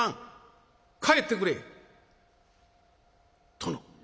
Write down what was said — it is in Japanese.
「殿。